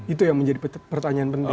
itu yang menjadi pertanyaan penting